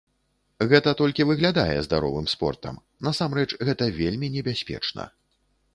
Гэта толькі выглядае здаровым спортам, насамрэч, гэта вельмі небяспечна.